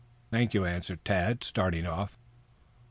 "Thank you," answered Tad, starting off.